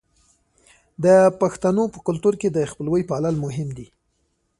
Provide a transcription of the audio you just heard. د پښتنو په کلتور کې د خپلوۍ پالل مهم دي.